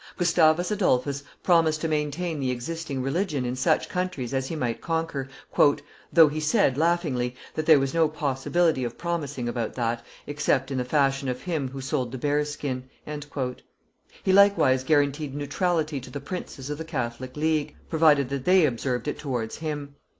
Gustavus Adolphus promised to maintain the existing religion in such countries as he might conquer, "though he said, laughingly, that there was no possibility of promising about that, except in the fashion of him who sold the bear's skin;" he likewise guaranteed neutrality to the princes of the Catholic league, provided that they observed it towards him.